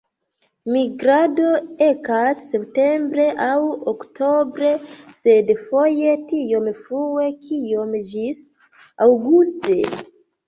Migrado ekas septembre aŭ oktobre, sed foje tiom frue kiom ĝis aŭguste.